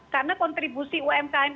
karena kontribusi umkm